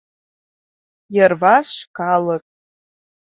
Йырваш — калык.